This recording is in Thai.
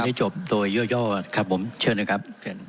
พูดให้จบโดยย่อครับผมเชิญนะครับ